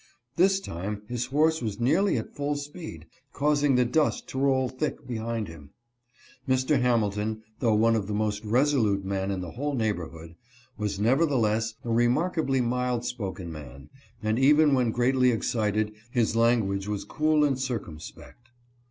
This time his horse was nearly at full speed, causing the dust to roll thick behind him. Mr. Hamilton, though one of the most resolute men in the whole neighborhood, was, nevertheless, a remarkably mild spoken man, and even when greatly excited his lan guage was cool and circumspect.